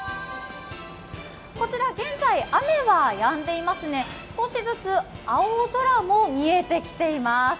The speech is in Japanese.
こちら、現在雨はやんでいますね。少しずつ青空も見えてきています。